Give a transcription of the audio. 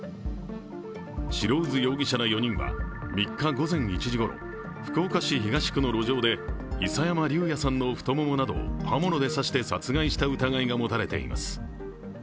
白水容疑者ら４人は３日午前１時ごろ福岡市東区の路上で諫山竜弥さんの太ももなどを刃物で刺して殺害した疑いが持たれています。